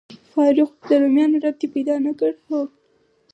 فاروق، د روميانو رب دې پیدا نه کړ؟ هو.